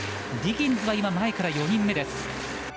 ディギンズは前から４人目です。